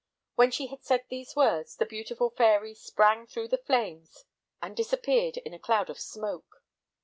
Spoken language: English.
When she had said these words, the beautiful fairy sprang through the flames and disappeared in a cloud of smoke.